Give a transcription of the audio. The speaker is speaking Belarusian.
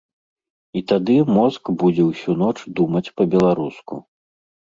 І тады мозг будзе ўсю ноч думаць па-беларуску.